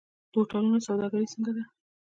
د هوټلونو سوداګري څنګه ده؟